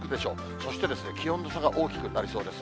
そして気温の差が大きくなりそうです。